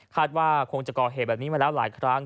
ว่าคงจะก่อเหตุแบบนี้มาแล้วหลายครั้ง